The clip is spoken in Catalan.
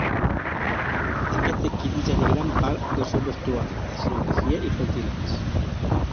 Aquest equip dissenya gran part del seu vestuari, escenografia i pentinats.